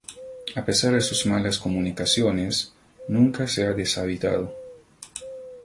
A pesar de sus malas comunicaciones nunca se ha deshabitado.